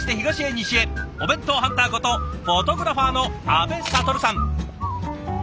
お弁当ハンターことフォトグラファーの阿部了さん。